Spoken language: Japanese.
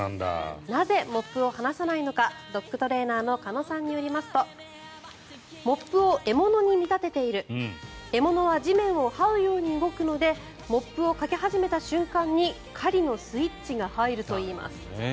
なぜモップを離さないのかドッグトレーナーの鹿野さんによりますとモップを獲物に見立てている獲物は地面をはうように動くのでモップをかけ始めた瞬間に狩りのスイッチが入るといいます。